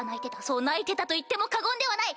そう泣いてたといっても過言ではない！